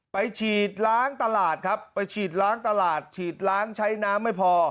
ไปฉีดล้างตลาดครับไปฉีดล้างตลาดฉีดล้างใช้น้ำไม่พอ